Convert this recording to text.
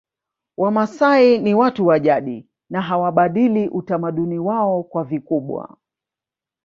Wamasai ni watu wa jadi na hawabadili utamaduni wao kwa vikubwa